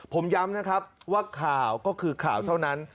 ผมย้ำนะครับว่าข่าวก็คือข่าวเท่านั้น